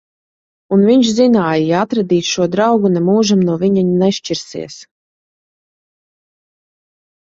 Un viņš zināja: ja atradīs šo draugu, nemūžam no viņa nešķirsies.